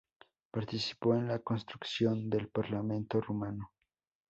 Participó en la construcción del Parlamento Rumano.